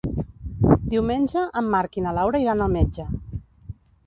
Diumenge en Marc i na Laura iran al metge.